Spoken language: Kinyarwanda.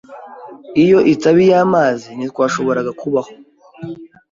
Iyo itaba iy'amazi, ntitwashoboraga kubaho.